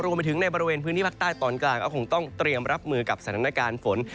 รวมไปถึงในบริเวณพื้นที่ภาคใต้ตอนกลางก็คงต้องเตรียมรับมือกับสถานการณ์ฝน